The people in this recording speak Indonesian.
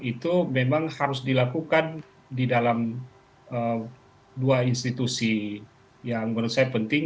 itu memang harus dilakukan di dalam dua institusi yang menurut saya penting